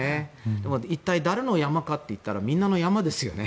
でも、一体誰の山かと言ったらみんなの山ですよね。